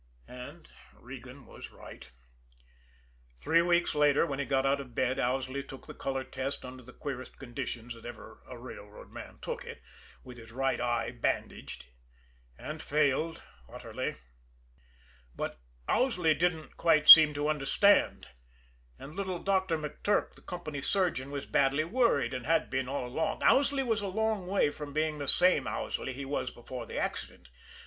And Regan was right. Three weeks later, when he got out of bed, Owsley took the color test under the queerest conditions that ever a railroad man took it with his right eye bandaged and failed utterly. But Owsley didn't quite seem to understand and little Doctor McTurk, the company surgeon, was badly worried, and had been all along. Owsley was a long way from being the same Owsley he was before the accident.